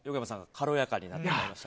軽やかになってきました。